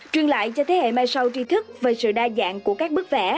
truyền lại cho thế hệ mai sau tri thức về sự đa dạng của các bức vẽ